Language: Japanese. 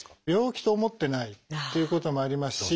病気と思ってないっていうこともあります